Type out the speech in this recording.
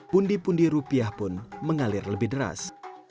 pundi pundi rupiah pun mengalir lebih deras